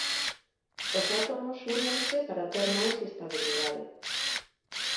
Os átomos únense para ter máis estabilidade